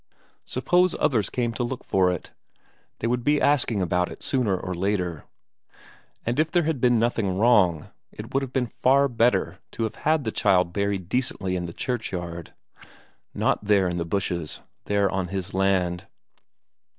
Suppose others came to look for it? They would be asking about it sooner or later. And if there had been nothing wrong, it would have been far better to have had the child buried decently in the churchyard. Not there in the bushes, there on his land....